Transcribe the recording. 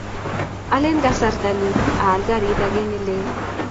Alen kasarta ni aal karit age ne lel.